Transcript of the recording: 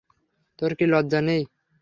তোর কি লজ্জা নেই?